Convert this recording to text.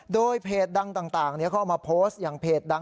โดยเพจดังต่างเขาเอามาโพสต์อย่างเพจดัง